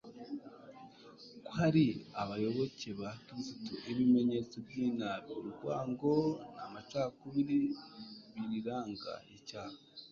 ko ari abayoboke ba kristu.ibimenyetso by'inabi, urwango n'amacakubiri biriranga. icyaha